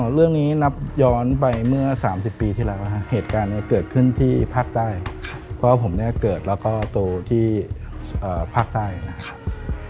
เรื่องนี้นับย้อนไปเมื่อ๓๐ปีที่แล้วฮะเหตุการณ์นี้เกิดขึ้นที่ภาคใต้ว่าผมเนี่ยเกิดแล้วก็โตที่ภาคใต้นะครับ